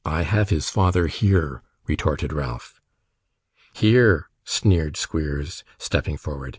I have his father here,' retorted Ralph. 'Here!' sneered Squeers, stepping forward.